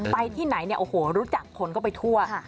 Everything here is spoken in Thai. ไปที่ไหนเนี่ยโอ้โหรู้จักคนก็ไปทั่ว